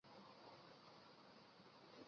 福州疍民渔歌来源于福州疍民的水上生活。